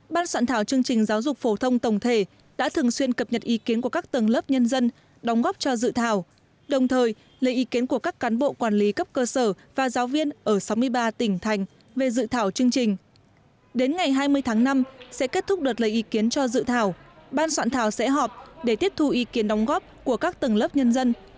ban soạn thảo chương trình giáo dục phổ thông tổng thể đã đề xuất giảng dạy chương trình giáo dục phổ thông mới từ năm hai nghìn một mươi tám